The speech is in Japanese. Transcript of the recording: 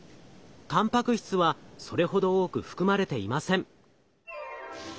たんぱく質はそれほど多く含まれていません。